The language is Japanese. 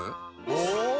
お！